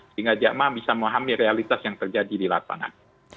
sehingga jamaah bisa memahami realitas yang terjadi di lapangan